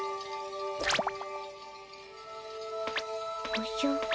おじゃ？